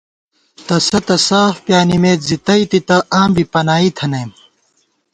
تسہ تہ ساف پیانِمېت زی تئی تِتَہ، آں بی پنائی تھنَئیم